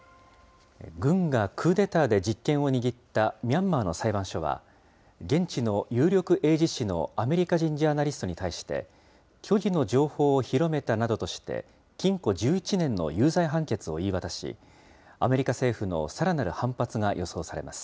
軍がクーデターで実権を握ったミャンマーの裁判所は、現地の有力英字誌のアメリカ人ジャーナリストに対して、虚偽の情報を広めたなどとして、禁錮１１年の有罪判決を言い渡し、アメリカ政府のさらなる反発が予想されます。